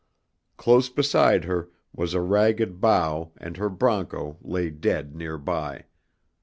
Close beside her was a ragged bough and her broncho lay dead near by.